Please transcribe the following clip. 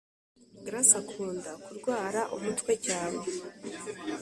Grace akunda kurwara umutwe cyane